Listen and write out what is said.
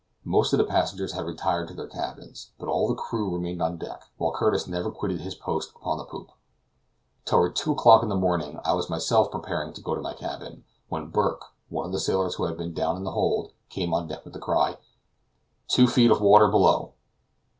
Most of the passengers had retired to their cabins, but all the crew remained on deck, while Curtis never quitted his post upon the poop. Toward two o'clock in the morning I was myself preparing to go to my cabin, when Burke, one of the sailors who had been down into the hold, came on deck with the cry: "Two feet of water below."